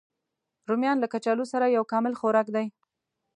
رومیان له کچالو سره یو کامل خوراک دی